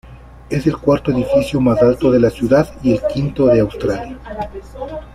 Es el cuarto edificio más alto de la ciudad y el quinto de Australia.